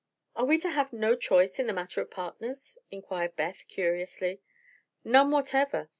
"Are we to have no choice in the matter of partners?" inquired Beth curiously. "None whatever.